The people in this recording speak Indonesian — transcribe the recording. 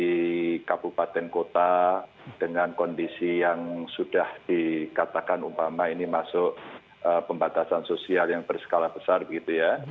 di kabupaten kota dengan kondisi yang sudah dikatakan umpama ini masuk pembatasan sosial yang berskala besar begitu ya